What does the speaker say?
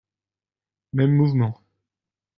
Mêmes mouvements